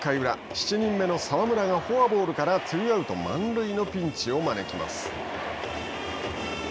７人目の澤村がフォアボールからツーアウト、満塁のピンチを招きます。